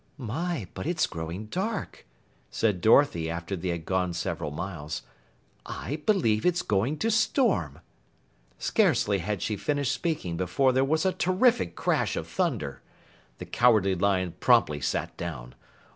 "My, but it's growing dark," said Dorothy after they had gone several miles. "I believe it's going to storm." Scarcely had she finished speaking before there was a terrific crash of thunder. The Cowardly Lion promptly sat down.